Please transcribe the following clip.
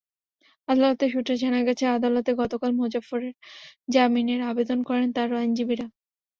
আদালত সূত্রে জানা গেছে, আদালতে গতকাল মোজাফফরের জামিনের আবেদন করেন তাঁর আইনজীবীরা।